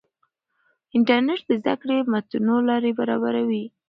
انټرنیټ د زده کړې متنوع لارې برابروي.